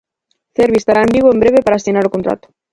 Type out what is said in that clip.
Cervi estará en Vigo en breve para asinar o contrato.